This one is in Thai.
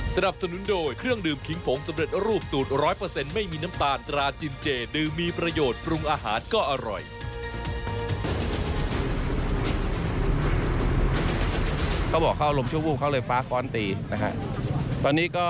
สนับสนุนโดยเครื่องดื่มขิงผงสำเร็จรูปสูตร๑๐๐ไม่มีน้ำตาลตราจินเจดื่มมีประโยชน์ปรุงอาหารก็อร่อย